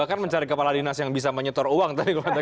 bahkan mencari kepala dinas yang bisa menyetor uang tadi